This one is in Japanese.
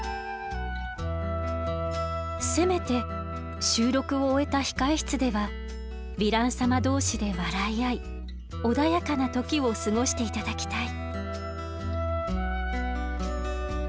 せめて収録を終えた控え室ではヴィラン様同士で笑い合い穏やかな時を過ごして頂きたい。